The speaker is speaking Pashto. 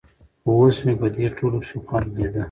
خو اوس مې په دې ټولو کښې خوند ليده.